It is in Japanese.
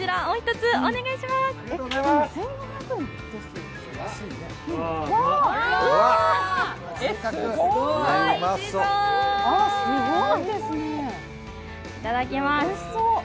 いただきます。